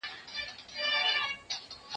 زه له سهاره قلم استعمالوموم!.